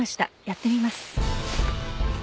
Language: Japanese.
やってみます。